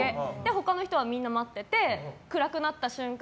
他の人はみんな待ってて暗くなった瞬間